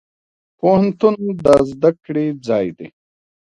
پوهنتون د زده کړي ځای دی.